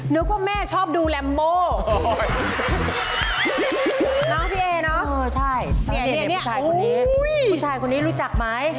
พี่แอเนี่ยผู้ชายคนนี้รู้จักไหม